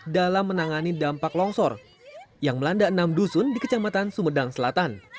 dalam menangani dampak longsor yang melanda enam dusun di kecamatan sumedang selatan